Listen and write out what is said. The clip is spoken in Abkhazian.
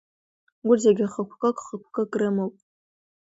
Урҭ зегьы хықәкык-хықәкык рымоуп.